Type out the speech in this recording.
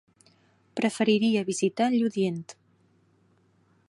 Preferiria visitar Lludient.